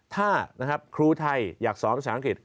ถ้าครูไทยอยากสอนภาษาอังกฤษ